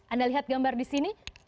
anda lihat gambar di sini